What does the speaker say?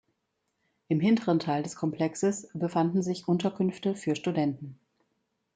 Im hinteren Teil des Komplexes befanden sich Unterkünfte für Studenten.